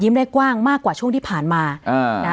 ได้กว้างมากกว่าช่วงที่ผ่านมานะ